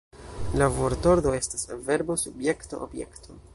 La vortordo estas Verbo Subjekto Objekto.